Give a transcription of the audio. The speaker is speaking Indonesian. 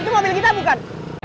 itu mobil kita bukan